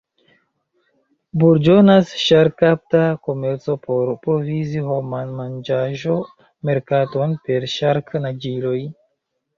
Burĝonas ŝark-kapta komerco por provizi homan manĝaĵo-merkaton per ŝark-naĝiloj.